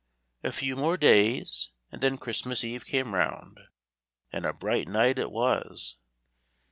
A few more days, and then Christmas Eve came round, and a bright night it was.